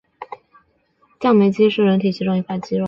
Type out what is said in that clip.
降眉肌是人体其中一块肌肉。